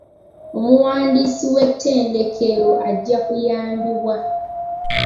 Omuwandiisi w'ettendekero ajja kuyambibwa.